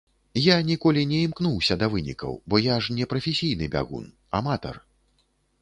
Я ніколі не імкнуўся да вынікаў, бо я ж не прафесійны бягун, аматар.